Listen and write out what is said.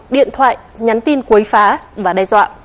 điện thoại nhắn tin quấy phá và đe dọa